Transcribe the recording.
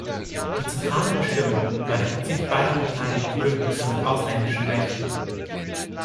Die zentrale Bestimmung war der Verzicht beider Parteien auf Bündnisse mit ausländischen Mächten.